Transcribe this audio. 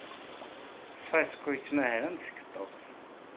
Sysko yettmahal am tkeḍḍuft.